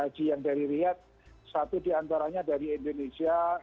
haji yang dari riyad satu diantaranya dari indonesia